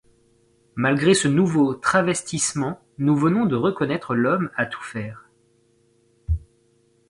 Malgré ce nouveau travestissement, nous venons de reconnaître l’homme à tout faire.